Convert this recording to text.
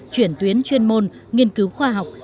chuyển tuyến chuyên môn nghiên cứu khoa học